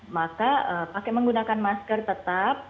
maka pakai menggunakan masker tetap